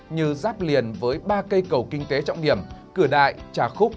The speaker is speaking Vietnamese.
như giáp liền với ba cây cầu kinh tế trọng điểm cửa đại trà khúc